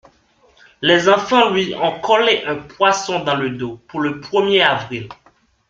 Les enfants lui ont collé un poisson dans le dos pour le premier avril.